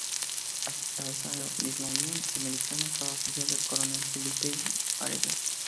A esa misma Unión Americana estaba afiliado el coronel Felipe Varela.